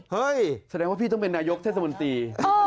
แสดงว่าพี่ต้องเป็นนายกเทศมนตรี